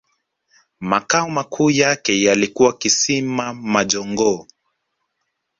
Makao makuu yake yalikuwa Kisima majongoo